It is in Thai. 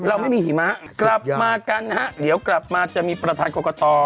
เราไม่มีหิมะกลับมากันนะฮะเดี๋ยวกลับมาจะมีประธานกรกต